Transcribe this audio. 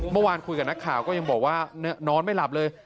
เมื่อวานคุยกับนักข่าวก็ยังบอกว่านอนไม่หลับเลย